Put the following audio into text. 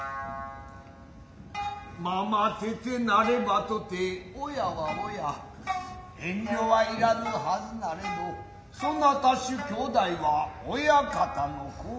継父なればとて親は親遠慮は要らぬ筈なれどそなた衆兄弟は親方の子。